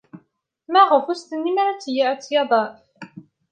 Maɣef ur as-tennim ara ad d-yadef?